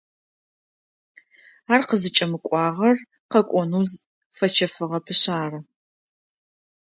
Ар къызыкӏэмыкӏуагъэр къэкӏонэу фэчэфыгъэпышъ ары.